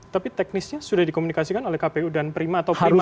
tapi teknisnya sudah dikomunikasikan oleh kpu dan prima atau perlu